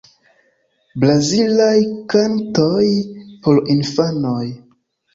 Brazilaj kantoj por infanoj.